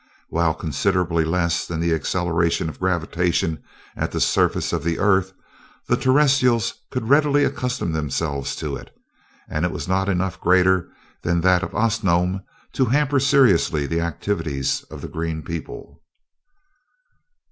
While considerably less than the acceleration of gravitation at the surface of the Earth, the Terrestrials could readily accustom themselves to it; and it was not enough greater than that of Osnome to hamper seriously the activities of the green people.